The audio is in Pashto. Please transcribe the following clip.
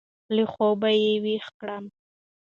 له خوابه يې وېښ کړم.